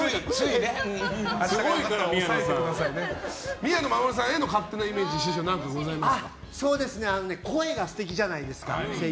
宮野真守さんへの勝手なイメージ声が素敵じゃないですか。